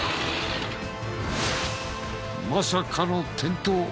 まさかの転倒！